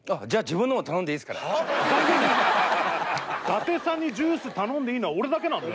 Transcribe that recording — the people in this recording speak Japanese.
伊達さんにジュース頼んでいいのは俺だけなんだよ。